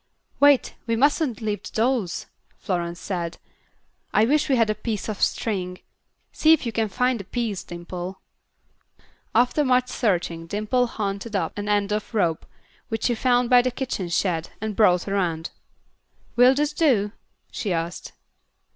"Wait, we mustn't leave the dolls," Florence said. "I wish we had a piece of string. See if you can find a piece, Dimple." After much searching Dimple hunted up an end of rope, which she found by the kitchen shed, and brought around. "Will this do?" she asked.